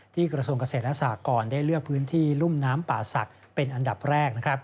กระทรวงเกษตรและสากรได้เลือกพื้นที่รุ่มน้ำป่าศักดิ์เป็นอันดับแรก